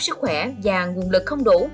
sức khỏe và nguồn lực không đủ